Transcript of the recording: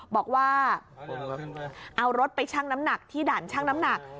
บอกว่าเอารถไปชั่งน้ำหนักที่ด่านช่างน้ำหนัก